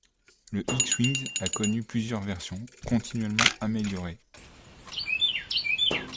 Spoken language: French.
Le X-wing a connu plusieurs versions, continuellement améliorées.